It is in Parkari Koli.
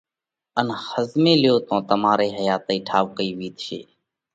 ان ۿزمي ليو تو تمارئِي حياتئِي ٺائُوڪئِي وِيتشي۔